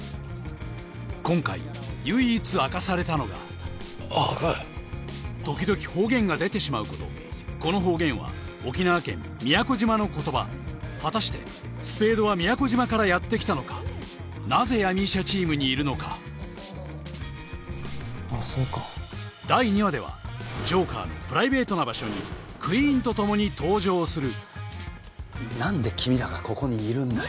今回唯一明かされたのが時々方言が出てしまうことこの方言は沖縄県宮古島の言葉果たしてスペードは宮古島からやってきたのかなぜ闇医者チームにいるのかあっそうか第２話ではジョーカーのプライベートな場所にクイーンとともに登場するなんで君らがここにいるんだよ